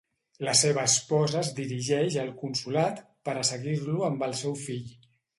La seva esposa es dirigeix al consolat per a seguir-lo amb el seu fill.